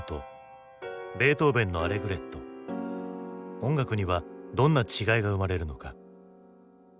音楽にはどんな違いが生まれるのか？